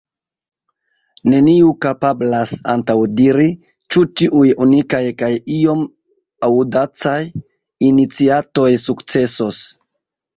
Neniu kapablas antaŭdiri, ĉu tiuj unikaj kaj iom aŭdacaj iniciatoj sukcesos.